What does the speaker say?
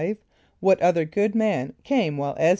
= What other good man came while [)E]z´r[.